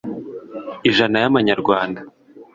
ijana y amanyarwanda